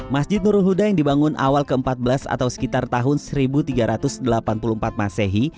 masjid nurul huda yang dibangun awal ke empat belas atau sekitar tahun seribu tiga ratus delapan puluh empat masehi